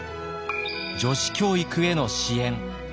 女子教育への支援。